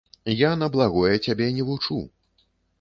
Я на благое цябе не вучу.